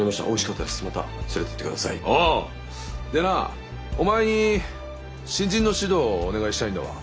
でなお前に新人の指導をお願いしたいんだわ。